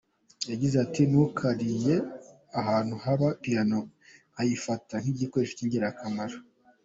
Yagize ati “ Nakuriye ahantu haba piano nkayifata nk’igikoresho cy’ingirakamaro.